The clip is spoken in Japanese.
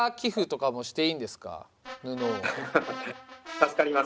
助かります。